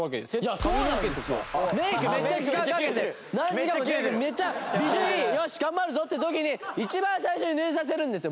いいよし頑張るぞ！って時に一番最初に濡れさせるんですよ！